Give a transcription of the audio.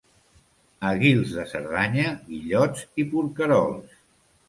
A Guils de Cerdanya, guillots i porquerols.